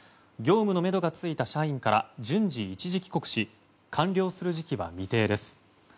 業務のめどがついた社員から順次一時帰国し完了する時期は未定です。